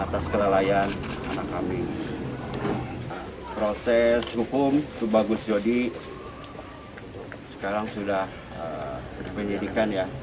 terima kasih pak